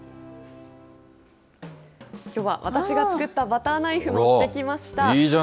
きょうは私が作ったバターナイフ、持ってきました。